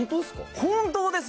本当ですよ。